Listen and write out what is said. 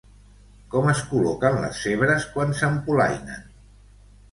Com es col·loquen les zebres quan s'empolainen?